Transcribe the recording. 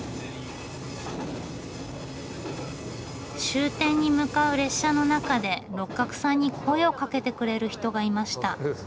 終点に向かう列車の中で六角さんに声をかけてくれる人がいました。